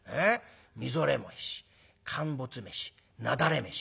みぞれ飯陥没飯なだれ飯」。